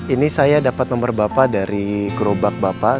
ini saya dapet nomer bapak dari gerobak bapak